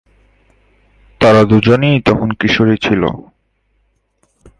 তারা দুজনেই তখন কিশোরী ছিল।